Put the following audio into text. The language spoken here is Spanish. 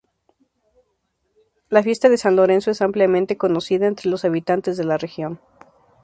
La fiesta de San Lorenzo es ampliamente conocida entre los habitantes de la región.